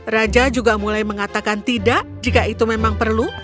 raja juga mulai mengatakan tidak jika itu memang perlu